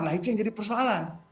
nah itu yang jadi persoalan